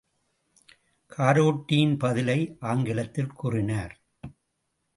காரோட்டியின் பதிலை ஆங்கிலத்தில் கூறினார்.